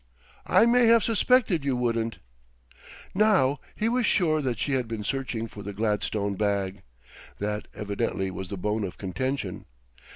"I may have suspected you wouldn't." Now he was sure that she had been searching for the gladstone bag. That, evidently, was the bone of contention.